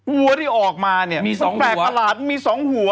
วัวที่ออกมาเนี่ยมี๒แปลกประหลาดมี๒หัว